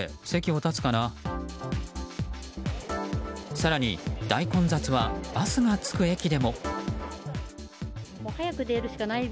更に大混雑はバスが着く駅でも。